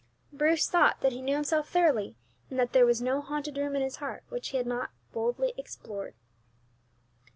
Bruce thought that he knew himself thoroughly, and that there was no haunted room in his heart which he had not boldly explored.